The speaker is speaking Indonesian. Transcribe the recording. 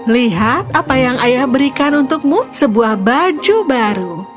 lihat apa yang ayah berikan untukmu sebuah baju baru